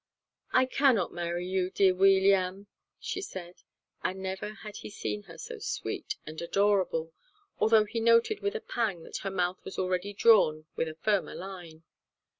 "I cannot marry you, dear Weeliam," she said, and never had he seen her so sweet and adorable, although he noted with a pang that her mouth was already drawn with a firmer line.